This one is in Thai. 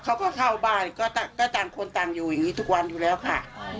เขาก็เข้าบ้านก็ต่างคนต่างอยู่อย่างนี้ทุกวันอยู่แล้วค่ะ